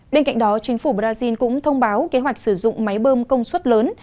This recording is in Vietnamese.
bên cạnh đó chính phủ brazil cũng thông báo kế hoạch sử dụng máy bơm công suất lớn